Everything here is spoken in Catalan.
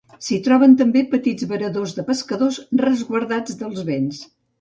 S'hi troben també petits varadors de pescadors resguardats dels vents.